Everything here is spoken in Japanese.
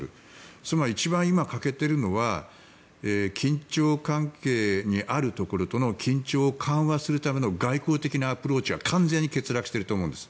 つまり一番、今欠けているのは緊張関係にあるところとの緊張緩和するための外交的なアプローチが完全に欠落していると思うんです。